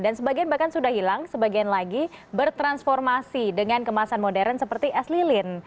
dan sebagian bahkan sudah hilang sebagian lagi bertransformasi dengan kemasan modern seperti es lilin